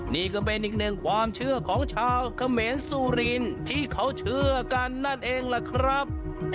นี่ก็เป็นอีกหนึ่งความเชื่อของชาวเขมรสุรินที่เขาเชื่อกันนั่นเองล่ะครับ